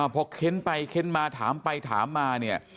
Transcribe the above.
พอเค้นไปเค้นมาถามไปถามมาเนี่ย